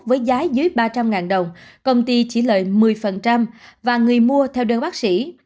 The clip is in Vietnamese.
với giá dưới ba trăm linh đồng công ty chỉ lợi một mươi và người mua theo đơn bác sĩ